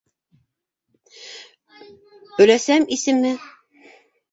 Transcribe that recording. Өләсәм исеме...